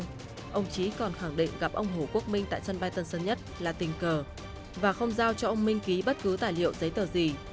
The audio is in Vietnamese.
nhưng ông chí còn khẳng định gặp ông hồ quốc minh tại sân bay tân sơn nhất là tình cờ và không giao cho ông minh ký bất cứ tài liệu giấy tờ gì